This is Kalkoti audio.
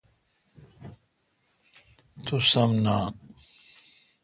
تو سم نان۔